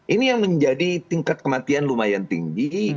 ini yang menjadi tingkat kematian lumayan tinggi